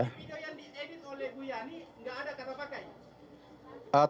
ketika yang diedit oleh bu yani nggak ada kata pakai